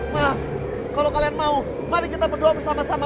mas kalau kalian mau mari kita berdoa bersama sama